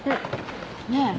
ねえ。